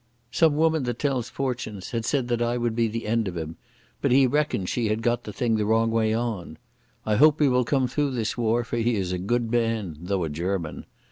Some woman that tells fortunes had said that I would be the end of him, but he reckoned she had got the thing the wrong way on. I hope he will come through this war, for he is a good man, though a German....